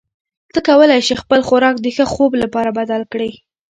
ته کولی شې خپل خوراک د ښه خوب لپاره بدل کړې.